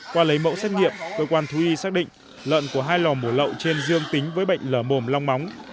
qua lấy mẫu xét nghiệm cơ quan thú y xác định lợn của hai lò mổ trên dương tính với bệnh lở mồm long móng